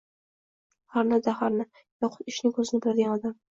Harna-da, harna... yoxud «ishning ko‘zini biladigan odam»